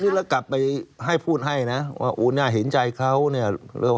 นี่แล้วกลับไปให้พูดให้นะว่าอู๋น่าเห็นใจเขาเนี่ย